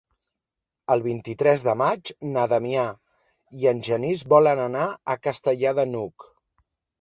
El vint-i-tres de maig na Damià i en Genís volen anar a Castellar de n'Hug.